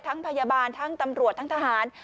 พยาบาลทั้งตำรวจทั้งทหาร